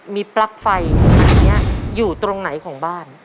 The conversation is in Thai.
มีปลั๊กไฟอันนี้อยู่ตรงไหนของบ้าน